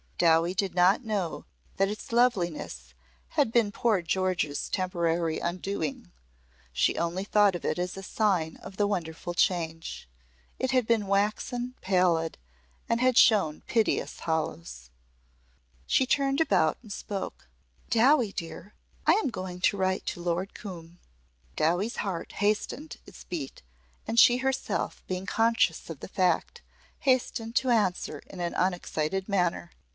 Dowie did not know that its loveliness had been poor George's temporary undoing; she only thought of it as a sign of the wonderful change. It had been waxen pallid and had shown piteous hollows. She turned about and spoke. "Dowie, dear, I am going to write to Lord Coombe." Dowie's heart hastened its beat and she herself being conscious of the fact, hastened to answer in an unexcited manner.